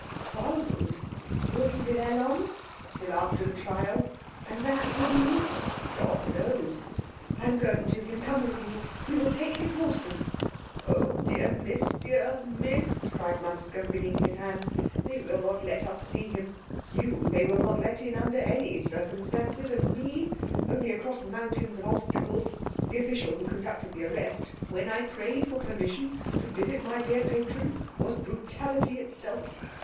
"Stralsund." "Will he be there long?" "Till after the trial." "And that will be?" "God knows." "I am going to him. Come with me. We will take his horses." "Oh, dear Miss, dear Miss," cried Manske, wringing his hands, "they will not let us see him you they will not let in under any circumstances, and me only across mountains of obstacles. The official who conducted the arrest, when I prayed for permission to visit my dear patron, was brutality itself.